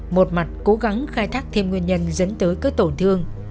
một mặt cố gắng khai thác thêm nguyên nhân dẫn tới các tổn thương